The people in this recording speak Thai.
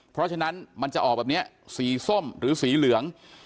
เพราะฉะนั้นมันจะออกแบบนี้สีส้มหรือสีเหลือง